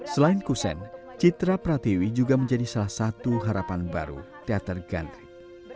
selain kusen citra pratiwi juga menjadi salah satu harapan baru teater gandrik